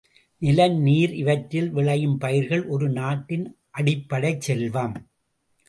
நிலம் நீர் இவற்றில் விளையும் பயிர்கள் ஒரு நாட்டின் அடிப்படைச் செல்வம்.